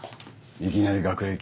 いきなり学歴？